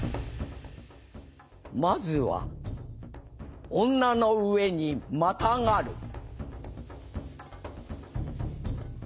まずは女の上にまたがる。